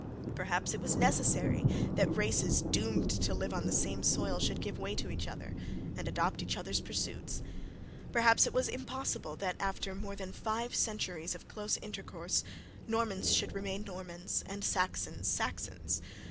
Perhaps it was necessary that races doomed to live on the same soil should give way to each other, and adopt each other's pursuits. Perhaps it was impossible that after more than five centuries of close intercourse, Normans should remain Normans, and Saxons, Saxons.